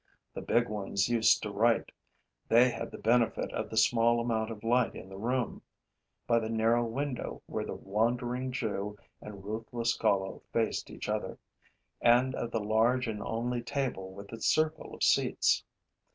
The big ones used to write. They had the benefit of the small amount of light in the room, by the narrow window where the Wandering Jew and ruthless Golo faced each other, and of the large and only table with its circle of seats.